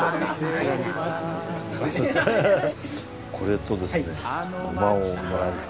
これとですね。